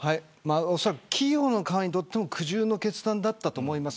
おそらく企業側にとっても苦渋の決断だったと思います。